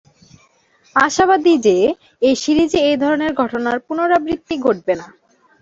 আশাবাদী যে, এ সিরিজে এ ধরনের ঘটনার পুণরাবৃত্তি ঘটবে না।